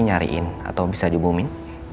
nyariin atau bisa dibunuh